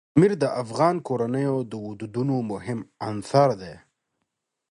پامیر د افغان کورنیو د دودونو مهم عنصر دی.